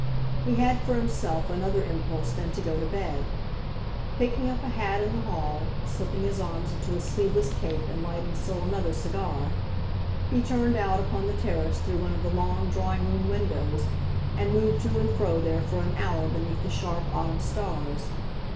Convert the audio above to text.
He had for himself another impulse than to go to bed; picking up a hat in the hall, slipping his arms into a sleeveless cape and lighting still another cigar, he turned out upon the terrace through one of the long drawing room windows and moved to and fro there for an hour beneath the sharp autumn stars.